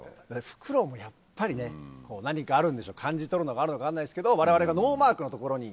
フクロウもやっぱりね何かあるんでしょう感じ取るのがあるのか分かんないですけど我々がノーマークの所に。